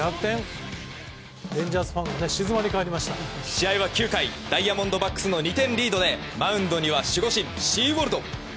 試合は９回ダイヤモンドバックスの２点リードで、マウンドには守護神、シーウォルド。